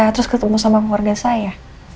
terus ketemu sama keluarga saya